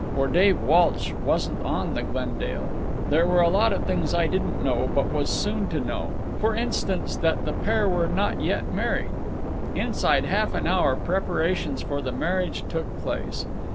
For Dave Walsh wasn't on the Glendale. There were a lot of things I didn't know, but was soon to know—for instance, that the pair were not yet married. Inside half an hour preparations for the marriage took place.